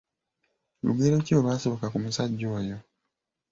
Lugero ki olwasibuka ku musajja oyo?